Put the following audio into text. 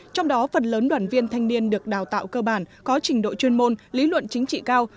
trong đó phần lớn đoàn viên thanh niên được đào tạo cơ bản có trình độ chuyên môn lý luận chính trị cao